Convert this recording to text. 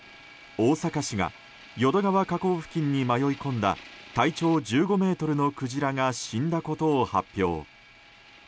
大阪市が淀川河口付近に迷い込んだ体長１５ｍのクジラが死んだことを発表。